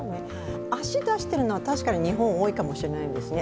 足、出してるのは確かに日本、多いかもしれないですね。